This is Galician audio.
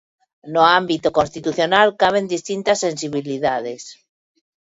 No ámbito constitucional caben distintas sensibilidades.